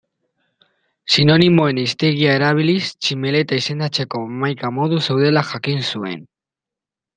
Sinonimoen hiztegia erabiliz tximeleta izendatzeko hamaika modu zeudela jakin zuen.